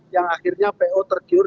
yang akhirnya po tergiur